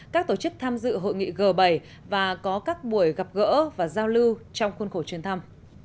các tổ chức tham dự hội nghị g bảy và có các buổi gặp gỡ và giao lưu trong khuôn khổ chuyến thăm